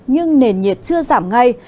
nhưng nền nhiệt chưa giảm ngay